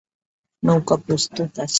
নৌকা প্রস্তুত আছে।